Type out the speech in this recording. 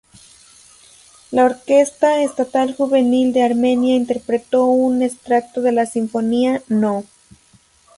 La Orquesta Estatal Juvenil de Armenia interpretó un extracto de la Sinfonía No.